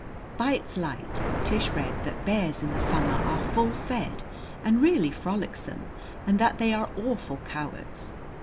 By its light Tish read that bears in the summer are full fed and really frolicsome and that they are awful cowards.